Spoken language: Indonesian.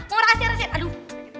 mau rahasia rahasian aduh